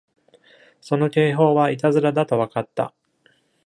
その警報はいたずらだと分かった。